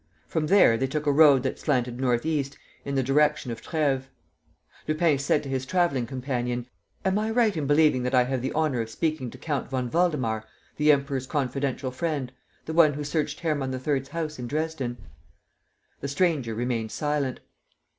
From there, they took a road that slanted north east, in the direction of Treves. Lupin said to his travelling companion: "Am I right in believing that I have the honor of speaking to Count von Waldemar, the Emperor's confidential friend, the one who searched Hermann III.'s house in Dresden?" The stranger remained silent.